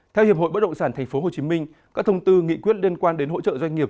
theo hiệp hội bất động sản tp hcm các thông tư nghị quyết liên quan đến hỗ trợ doanh nghiệp